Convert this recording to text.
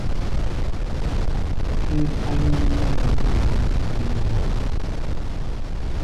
Kʼɛ́nɛ́ áí núʼnɛ́ wěn mɔ mɛ́ binɛ́ɛ ná.